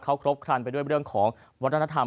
เขาครบครันไปด้วยเรื่องของวัฒนธรรม